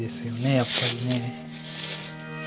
やっぱりね。